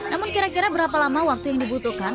namun kira kira berapa lama waktu yang dibutuhkan